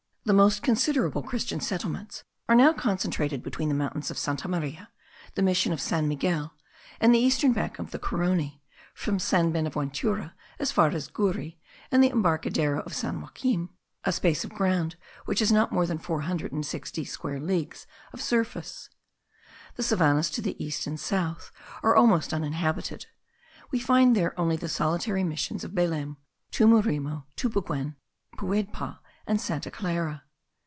The most considerable Christian settlements are now concentrated between the mountains of Santa Maria, the mission of San Miguel and the eastern bank of the Carony, from San Buenaventura as far as Guri and the embarcadero of San Joaquin; a space of ground which has not more than four hundred and sixty square leagues of surface. The savannahs to the east and south are almost uninhabited; we find there only the solitary missions of Belem, Tumuremo, Tupuquen, Puedpa, and Santa Clara.